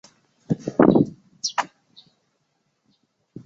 蒲莱斯考特是一个位于美国阿肯色州内华达县的城市。